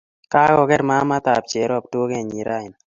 Kagogeer mamatab cherop dukenyi raini